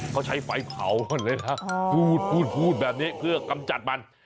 เขาใช้ไฟเผาก่อนเลยนะพูดพูดแบบนี้เพื่อกำจัดมัน